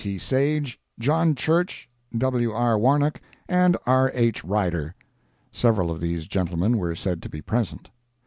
T. Sage, John Church, W. R. Warnock and R. H. Rider. [Several of these gentlemen were said to be present.